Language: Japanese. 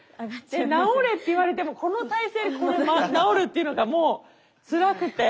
直れって言われてもこの体勢で直るっていうのがもうつらくて。